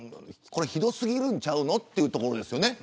これ、ひどすぎるんちゃうのというところですよね。